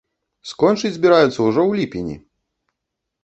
Скончыць збіраюцца ўжо ў ліпені!